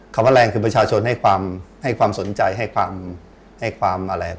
คำว่าแรงคือประชาชนให้ความสนใจให้ความอะไร